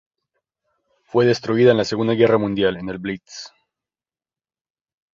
Fue destruida en la Segunda Guerra Mundial, en el Blitz.